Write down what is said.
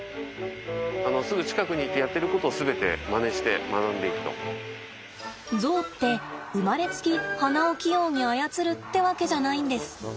すぐ近くに行ってゾウって生まれつき鼻を器用に操るってわけじゃないんです。